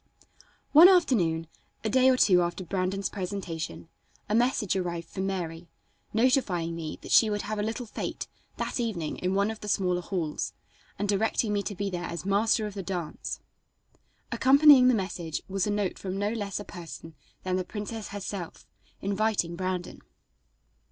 One afternoon, a day or two after Brandon's presentation, a message arrived from Mary, notifying me that she would have a little fête that evening in one of the smaller halls and directing me to be there as Master of the Dance. Accompanying the message was a note from no less a person than the princess herself, inviting Brandon.